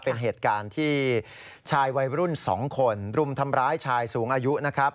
เป็นเหตุการณ์ที่ชายวัยรุ่น๒คนรุมทำร้ายชายสูงอายุนะครับ